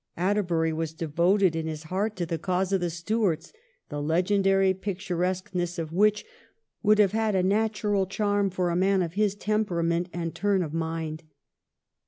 Atterbury was devoted in his heart to the cause of the Stuarts, the legendary picturesque ness of which would have had a natural charm for a man of his temperament and turn of mind.